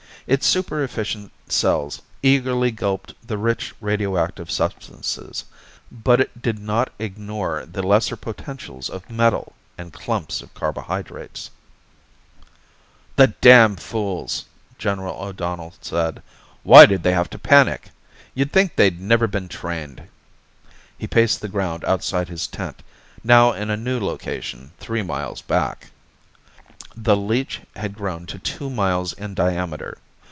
Its super efficient cells eagerly gulped the rich radioactive substances. But it did not ignore the lesser potentials of metal and clumps of carbohydrates. "The damned fools," General O'Donnell said. "Why did they have to panic? You'd think they'd never been trained." He paced the ground outside his tent, now in a new location three miles back. The leech had grown to two miles in diameter.